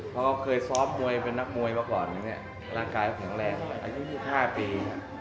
เขาเคยซ้อมมวยเป็นนักมวยเมื่อก่อนร่างกายแข็งแรงอายุ๒๕ปี